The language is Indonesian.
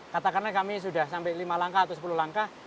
katakanlah kami sudah sampai lima langkah atau sepuluh langkah